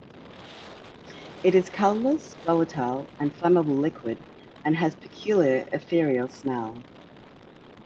It is colorless, volatile, and flammable liquid and has peculiar ethereal smell.